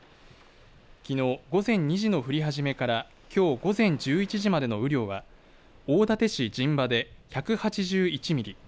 きのう午前２時の降り始めからきょう午前１１時までの雨量は大館市陣場で１８１ミリ